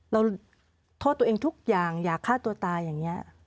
เราโทษตัวเองทุกอย่างอยากฆ่าตัวตายอย่างนี้